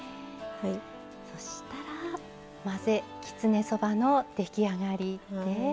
そしたら混ぜきつねそばの出来上がりです。